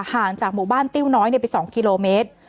ห่างจากหมู่บ้านติ้วน้อยไป๒กิโลเมตร